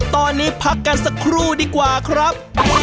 ตอนนี้พักกันสักครู่ดีกว่าครับ